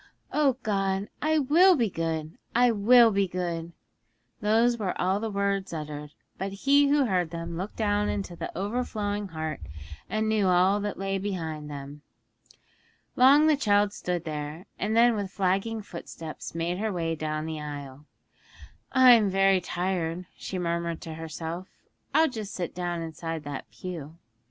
'O God, I will be good! I will be good!' Those were all the words uttered, but He who heard them looked down into the overflowing heart, and knew all that lay behind them. Long the child stood there, and then with flagging footsteps made her way down the aisle. 'I'm very tired,' she murmured to herself; 'I'll just sit down inside that pew.'